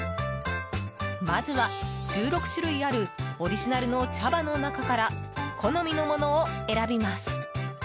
まずは１６種類あるオリジナルの茶葉の中から好みのものを選びます。